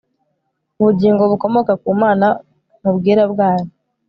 ubugingo bukomoka ku mana mubwera bwayo